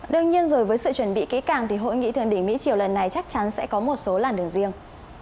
đương nhiên rồi với sự chuẩn bị kỹ càng thì hội nghị thượng đỉnh mỹ chiều lần này chắc chắn sẽ có một số làn đường riêng